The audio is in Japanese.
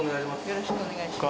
よろしくお願いします。